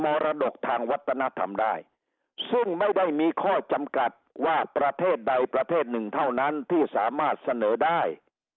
มรดกทางวัฒนธรรมได้ซึ่งไม่ได้มีข้อจำกัดว่าประเทศใดประเทศหนึ่งเท่านั้นที่สามารถเสนอได้